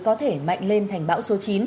có thể mạnh lên thành bão số chín